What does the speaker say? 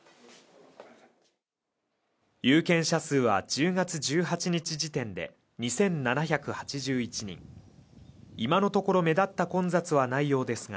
有権者数は１０月１８日時点で２７８１人今のところ目立った混雑はないようですが